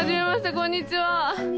こんにちは。